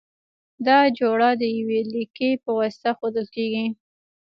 دا جوړه د یوه لیکي په واسطه ښودل کیږی.